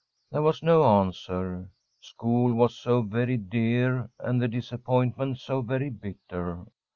There was no answer. School was so very dear, and the disappointment so very bitter.